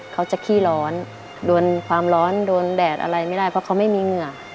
ขี้ร้อนโดนความร้อนโดนแดดอะไรไม่ได้เพราะเขาไม่มีเหงื่อ